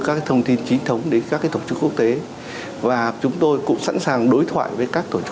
các thông tin chính thống đến các tổ chức quốc tế và chúng tôi cũng sẵn sàng đối thoại với các tổ chức